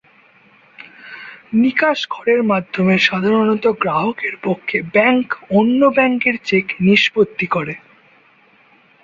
নিকাশ ঘরের মাধ্যমে সাধারণত গ্রাহকের পক্ষে ব্যাংক অন্য ব্যাংকের চেক নিষ্পত্তি করে।